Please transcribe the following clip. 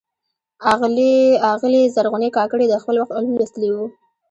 آغلي زرغونې کاکړي د خپل وخت علوم لوستلي ول.